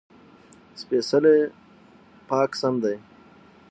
سپېڅلی: پاک سم دی.